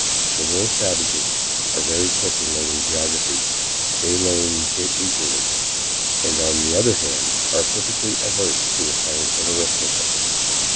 The little savages are very quick in learning geography. They learn it eagerly, and on the other hand, are perfectly averse to the science of arithmetic.